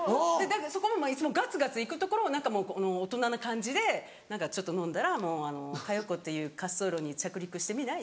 そこもいつもガツガツいくところを大人な感じでちょっと飲んだら「佳代子っていう滑走路に着陸してみない？」